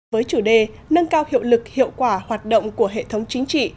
với chủ đề nâng cao hiệu lực hiệu quả hoạt động của hệ thống chính trị